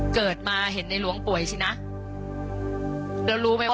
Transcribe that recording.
ขอบคุณครับ